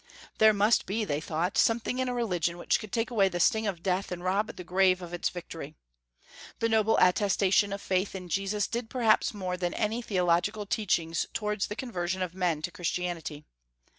There must be, they thought, something in a religion which could take away the sting of death and rob the grave of its victory. The noble attestation of faith in Jesus did perhaps more than any theological teachings towards the conversion of men to Christianity.